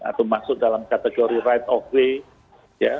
atau masuk dalam kategori right of way